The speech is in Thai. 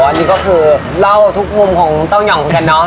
อันนี้ก็คือเล่าทุกมุมของเต้ายองกันเนาะ